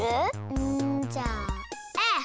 うんじゃあＦ！